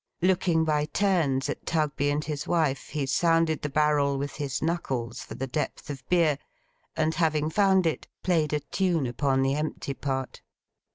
Looking by turns at Tugby and his wife, he sounded the barrel with his knuckles for the depth of beer, and having found it, played a tune upon the empty part.